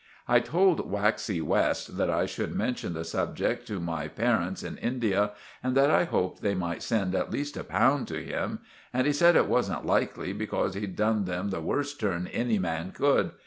I told Waxy West that I should mention the subject to my parints in India and that I hoped they might send at least a pound to him, and he said it wasn't likely, becorse he'd done them the worst turn any man could.